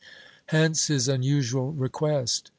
Hence his unusual request.